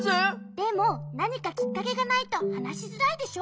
でも何かきっかけがないと話しづらいでしょ？